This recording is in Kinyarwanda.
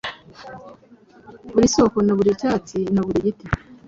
Buri soko na Buri cyatsi na buri giti,